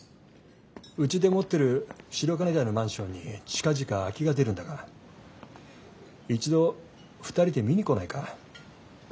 うちで持ってる白金台のマンションに近々空きが出るんだが一度２人で見に来ないか。